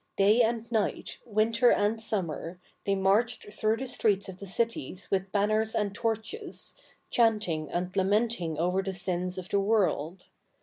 Day and night, winter and summer, they marched through the streets of the cities with banners and torches, chanting and lamenting over the sins of the world.